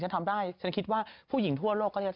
ฉันทำได้ฉันคิดว่าผู้หญิงทั่วโลกก็ต้องทำได้